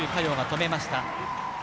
鷹が止めました。